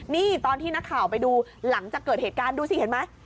นี่ตอนที่นักข่าวไปดูหลังจากเกิดเหตุการณ์ดูสิเห็นไหม